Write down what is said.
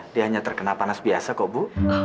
dia hanya terkena panas biasa kok bu